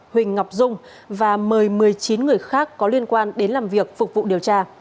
huỳnh ngọc dung và mời một mươi chín người khác có liên quan đến làm việc phục vụ điều tra